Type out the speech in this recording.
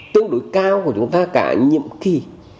tương đối cao của chúng ta cả nhiệm kỳ